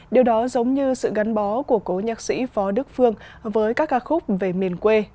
điều đó giống như sự gắn bó của cố nhạc sĩ phó đức phương với các ca khúc về miền quê